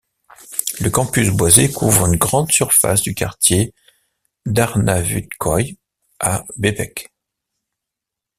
Le campus boisé couvre une grande surface du quartier d'Arnavutköy à Bebek.